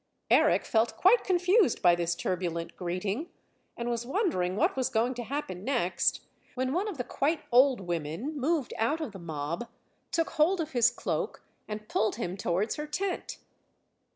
Eric felt quite confused by this turbulent greeting, and was wondering what was going to happen next, when one of the quite old women moved out of the mob, took hold of his cloak, and pulled him towards her tent.